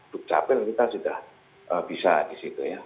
duk capil kita sudah bisa di situ ya